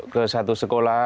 masuk ke satu sekolah